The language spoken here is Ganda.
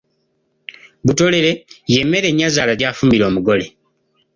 Butolere y’emmere nyazaala gy’afumbira omugole.